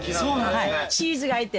チーズが入って。